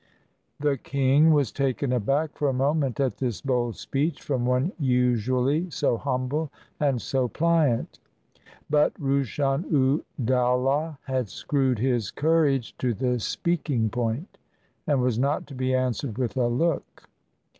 The king was taken aback for a moment at this bold speech from one usually so humble and so pliant; but Rushon u Dowlah had screwed his courage to the speaking point, and was not to be answered with a look.